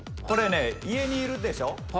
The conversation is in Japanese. これね家にいるでしょ？